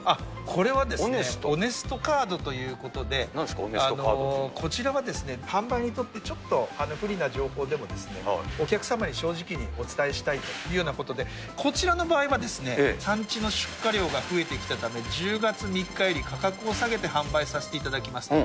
これはですね、オネストカーなんですか、こちらは、販売にとってちょっと不利な情報でも、お客様に正直にお伝えしたいというようなことで、こちらの場合はですね、産地の出荷量が増えてきたため、１０月３日より価格を下げて販売させていただきますと。